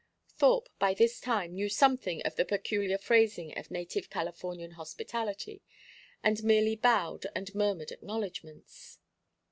Thorpe, by this time, knew something of the peculiar phrasing of native Californian hospitality, and merely bowed and murmured acknowledgments.